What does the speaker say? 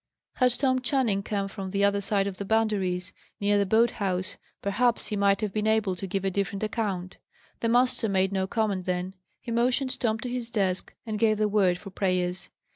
Had Tom Channing come from the other side of the Boundaries, near the boat house, perhaps he might have been able to give a different account. The master made no comment then. He motioned Tom to his desk, and gave the word for prayers.